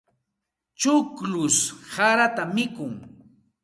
Chukllush sarata mikun.